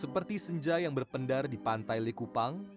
seperti senja yang berpendar di pantai likupang